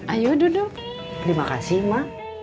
ayo duduk terima kasih ma